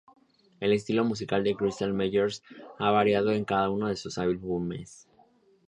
El estilo musical de Krystal Meyers ha variado en cada uno de sus álbumes.